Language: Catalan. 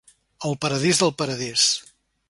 El paradís del paradís.